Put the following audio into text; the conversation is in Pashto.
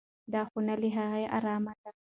دا خونه له هغې ارامه ده.